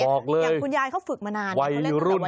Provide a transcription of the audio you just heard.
อย่างคุณยายเขาฝึกมานานเขาเล่นตั้งแต่วัยรุ่น